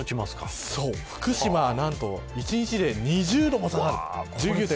福島は何と１日で２０度も下がると。